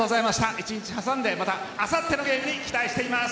１日はさんであさってのゲームに期待しています。